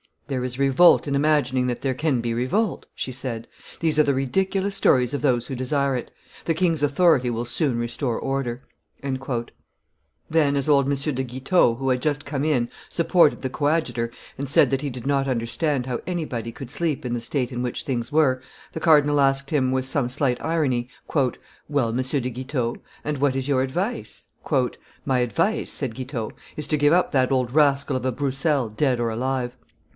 "There is revolt in imagining that there can be revolt," she said: "these are the ridiculous stories of those who desire it; the king's authority will soon restore order." Then, as old M. de Guitaut, who had just come in, supported the coadjutor, and said that he did not understand how anybody could sleep in the state in which things were, the cardinal asked him, with some slight irony, "Well, M. de Guitaut, and what is your advice?" "My advice," said Guitaut, "is to give up that old rascal of a Broussel, dead or alive."